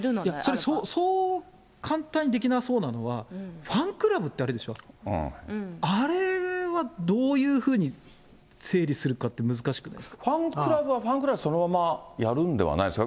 それ、そう簡単にできなそうなのは、ファンクラブってあるでしょ、あれはどういうふうに整理するかって、ファンクラブはファンクラブで、そのままやるんではないんですか。